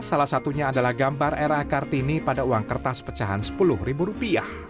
salah satunya adalah gambar era kartini pada uang kertas pecahan rp sepuluh